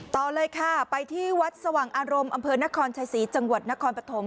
ต่อเลยค่ะไปที่วัดสว่างอารมณ์อำเภอนครชัยศรีจังหวัดนครปฐม